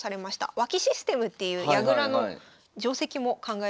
脇システムっていう矢倉の定跡も考えられた先生でございます。